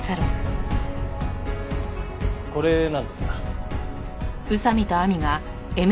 これなんですが。